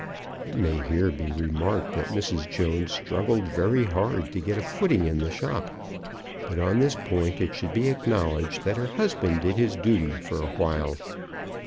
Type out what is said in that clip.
It may here be remarked that Mrs. Jones struggled very hard to get a footing in the shop, but on this point it should be acknowledged that her husband did his duty for a while.